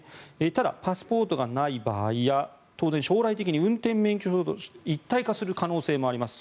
ただ、パスポートがない場合や当然、将来的に運転免許証と一体化する可能性もあります。